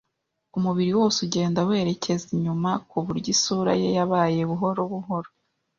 umubiri wose ugenda werekeza inyuma, kuburyo isura ye yabaye buhoro buhoro,